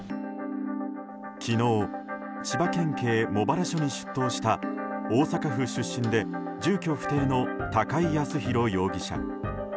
昨日、千葉県警茂原署に出頭した大阪府出身で住居不定の高井靖弘容疑者。